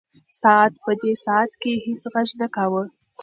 ساعت په دې ساعت کې هیڅ غږ نه کاوه.